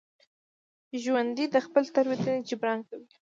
ژوندي د خپلې تېروتنې جبران کوي